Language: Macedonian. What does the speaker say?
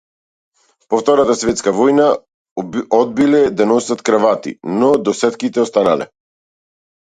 По втората светска војна одбиле да носат кравати, но досетките останале.